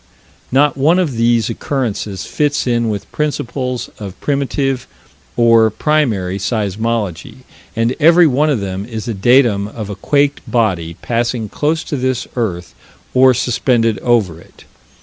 Not one of these occurrences fits in with principles of primitive, or primary, seismology, and every one of them is a datum of a quaked body passing close to this earth or suspended over it.